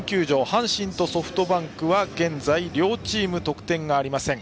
阪神とソフトバンクは現在、両チーム得点がありません。